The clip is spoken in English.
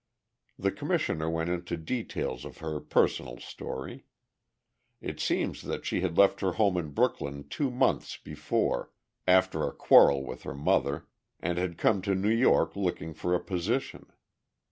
The Commissioner went into details of her personal story. It seems that she had left her home in Brooklyn two months before, after a quarrel with her mother, and had come to New York looking for a position.